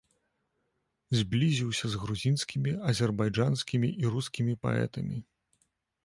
Зблізіўся з грузінскімі, азербайджанскімі і рускімі паэтамі.